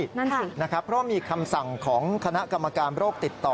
นั่นสินะครับเพราะมีคำสั่งของคณะกรรมการโรคติดต่อ